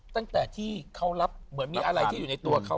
ตั้งแต่ที่เขารับเหมือนมีอะไรที่อยู่ในตัวเขา